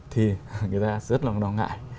thì người ta rất là đau ngại